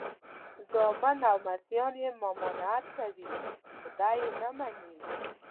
زامن او لمسیان یې ممانعت کوي خو دی یې نه مني.